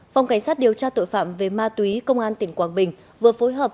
phòng cảnh sát điều tra tội phạm về ma túy công an tp hcm vừa phối hợp